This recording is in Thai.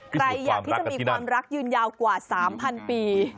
ใครอยากที่จะมีความรักยืนยาวกว่า๓๐๐ปี